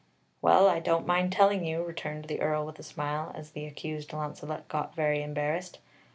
"Well, I don't mind telling you," returned the Earl with a smile, as the accused Launcelot got very embarrassed.